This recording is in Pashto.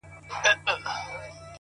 د هغې خوله ـ شونډي ـ پېزوان او زنـي ـ